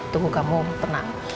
tunggu kamu tenang